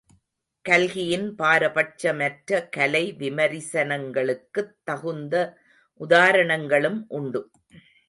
கல்கியின் பாரபட்சமற்ற கலை விமரிசனங்களுக்குத் தகுந்த உதாரணங்களும் உண்டு.